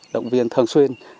động viên thường xuyên